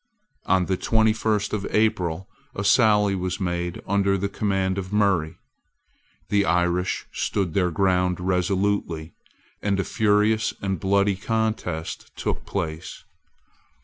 On the twenty first of April a sally was made under the command of Murray. The Irish stood their ground resolutely; and a furious and bloody contest took place.